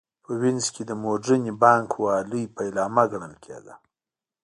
په وینز کې د موډرنې بانک والۍ پیلامه ګڼل کېده